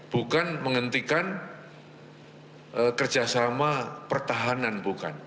bukan menghentikan kerjasama pertahanan bukan